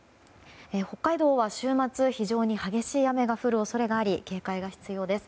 北海道は週末非常に激しい雨が降る恐れがあり警戒が必要です。